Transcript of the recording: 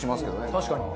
確かに。